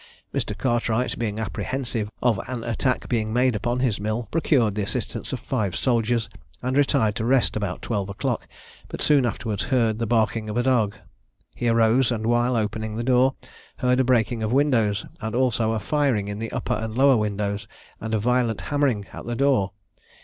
Mr. Cartwright being apprehensive of an attack being made upon his mill, procured the assistance of five soldiers, and retired to rest about twelve o'clock, but soon afterwards heard the barking of a dog. He arose; and while opening the door, heard a breaking of windows, and also a firing in the upper and lower windows, and a violent hammering at the door.